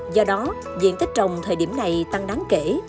do đó diện tích trồng thời điểm này tăng đáng kể